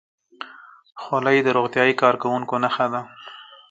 خولۍ د روغتیايي کارکوونکو نښه ده.